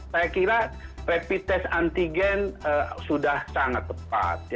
saya kira rapid test antigen sudah sangat tepat